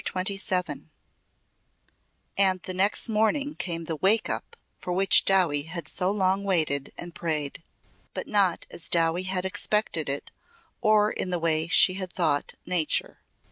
CHAPTER XXVII And the next morning came the "waking up" for which Dowie had so long waited and prayed. But not as Dowie had expected it or in the way she hard thought "Nature."